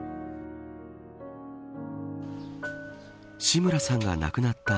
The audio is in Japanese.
志村さんが亡くなった